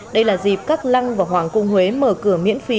đây là dịp các lăng và hoàng cung huế mở cửa miễn phí